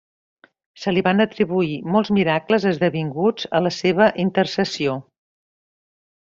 Se li van atribuir molts miracles esdevinguts a la seva intercessió.